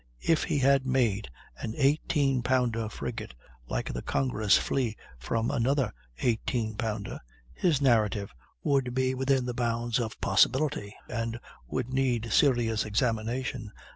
If he had made an 18 pounder frigate like the Congress flee from another 18 pounder, his narrative would be within the bounds of possibility and would need serious examination.